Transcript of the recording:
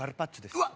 うわっ